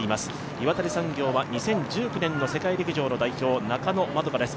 岩谷産業は２０１９年の世界陸上の代表、中野円花です。